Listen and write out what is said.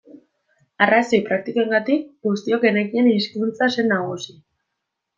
Arrazoi praktikoengatik guztiok genekien hizkuntza zen nagusi.